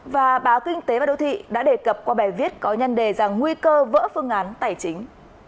và báo kinh tế và đô thị đã đề cập qua bài viết có nhân đề rằng nguy cơ vỡ phương án tài chính